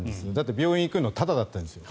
病院に行くのタダだったんです。